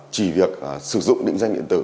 chỉ việc sử dụng định danh điện tử